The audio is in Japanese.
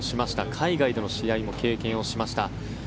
海外での試合も経験をしました。